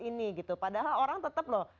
ini gitu padahal orang tetap loh